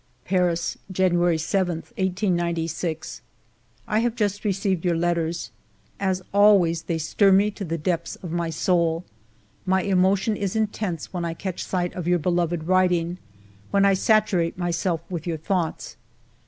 Paris, January 7, 1896. " I have just received your letters. As always, they stir me to the depths of my soul. My emotion is intense when I catch sight of your be loved writing, when I saturate myself with your thoughts.